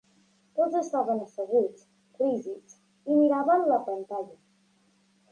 Tots estaven asseguts, rígids, i miraven la pantalla.